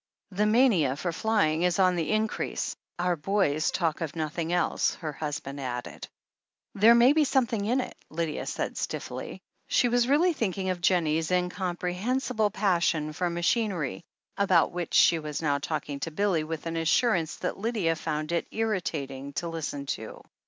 "The mania for flying is on the increase. Our boys talk of nothing else," her husband added. "There may be something in it," Lydia said stiffly. She was really thinking of Jennie's incomprehensible THE HEEL OF ACHILLES 347 passion for machinery, about which she was now talk ing to Billy with an assurance that Lydia found it irritating to listen to.